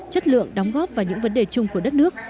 chất lượng đóng góp và những vấn đề chung của đất nước